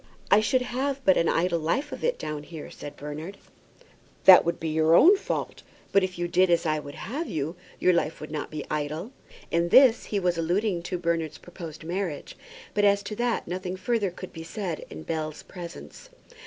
"I should have but an idle life of it down here," said Bernard. "That would be your own fault. But if you did as I would have you, your life would not be idle." In this he was alluding to Bernard's proposed marriage, but as to that nothing further could be said in Bell's presence.